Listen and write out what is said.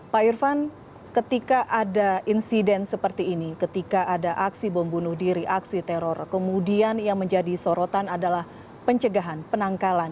pak irvan ketika ada insiden seperti ini ketika ada aksi bom bunuh diri aksi teror kemudian yang menjadi sorotan adalah pencegahan penangkalan